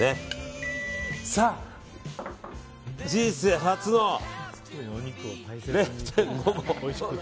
さあ、人生初の０．５合。